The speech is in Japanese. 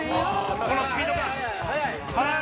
このスピード感！